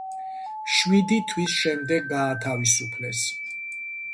შვიდი თვის შემდეგ გაათავისუფლეს.